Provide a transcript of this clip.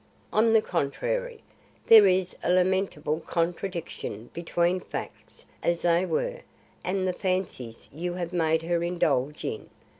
On the contrary, there is a lamentable contradiction between facts as they were and the fancies you have made her indulge in.